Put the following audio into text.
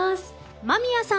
間宮さん